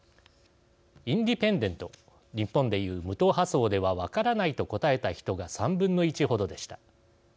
インディペンデント日本で言う無党派層では分からないと答えた人が３分の１程でした。